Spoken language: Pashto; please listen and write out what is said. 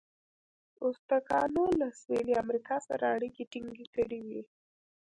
ازتکانو له سویلي امریکا سره اړیکې ټینګې کړې وې.